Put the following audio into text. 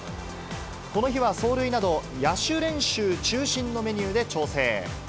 この日は、走塁など野手練習中心のメニューで調整。